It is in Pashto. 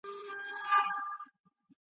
سمدستي یې سره پرانیسته په منډه !.